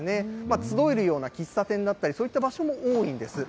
集えるような喫茶店だったり、そういった場所も多いんです。